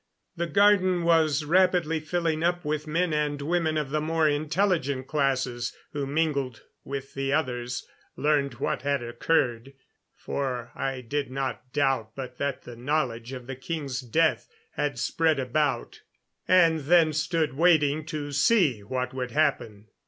The garden was rapidly filling up with men and women of the more intelligent classes, who mingled with the others, learned what had occurred for I did not doubt but that the knowledge of the king's death had spread about and then stood waiting to see what would happen.